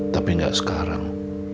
tapi nggak sekarang